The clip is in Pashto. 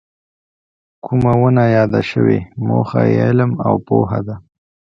کومه ونه یاده شوې موخه یې علم او پوهه ده.